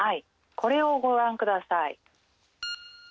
これをご覧下さい。